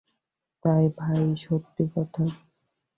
তা ভাই, সত্যি কথা বলব?